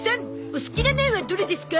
お好きな麺はどれですか？